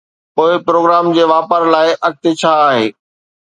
پوءِ پروگرام جي واپار لاءِ اڳتي ڇا آهي؟